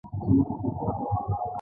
ځینې خلک یوازې یوه طریقه کاروي.